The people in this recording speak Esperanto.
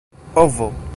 ovo